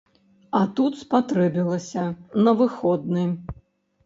А тут спатрэбілася на выходны.